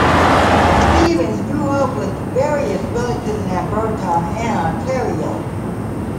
Stevens grew up with various relatives in Alberta and Ontario.